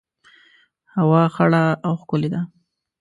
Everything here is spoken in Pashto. هوا خړه او ښکلي ده